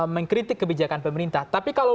mengkritik kebijakan pemerintah tapi kalau